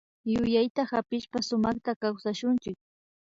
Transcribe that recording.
Yuyayta hapishpa sumakta kawsashunchik